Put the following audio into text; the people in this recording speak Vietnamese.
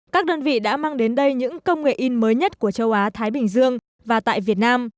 các đơn vị đã mang đến đây những công nghệ in mới nhất của châu á thái bình dương và tại việt nam